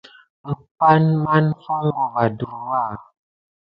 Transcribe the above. Umpay ne mā foŋko va ɗurwa.